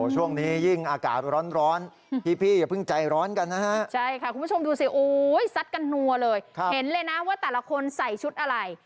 ช่วงนี้ยิ่งอากาศร้อนพี่อย่าเพิ่งใจร้อนกันนะฮะใช่ค่ะคุณผู้ชมดูสิซัดกันนัวเลยเห็นเลยนะว่าแต่ละคนใส่ชุดอะไร